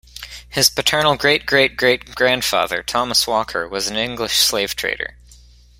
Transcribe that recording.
His paternal great-great-great-grandfather, Thomas Walker, was an English slavetrader.